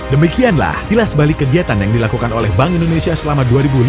demikianlah tilas balik kegiatan yang dilakukan oleh bank indonesia selama dua ribu enam belas